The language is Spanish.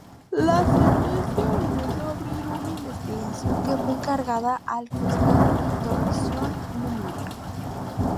La sentencia ordenó abrir una investigación que fue encargada al Juzgado de Instrucción núm.